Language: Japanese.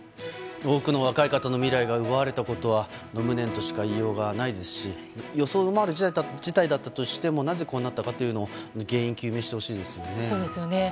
多くの若い方の未来が奪われたことは無念としか言いようがないですし予想を上回る事態だったとしてもなぜこうなったかというのを原因を究明してほしいですね。